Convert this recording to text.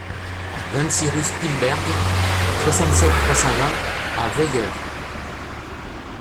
vingt-six rue Spiegelberg, soixante-sept, trois cent vingt à Weyer